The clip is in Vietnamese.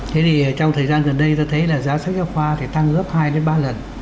thế thì trong thời gian gần đây ta thấy là giá sách giáo khoa thì tăng gấp hai đến ba lần